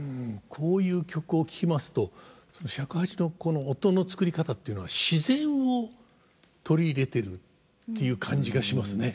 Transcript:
こういう曲を聴きますと尺八の音の作り方っていうのは自然を取り入れてるっていう感じがしますね。